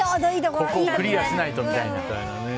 ここクリアしないとみたいなね。